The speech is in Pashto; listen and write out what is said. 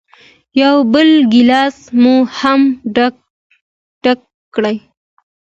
یو بل ګیلاس مو هم ډک کړ.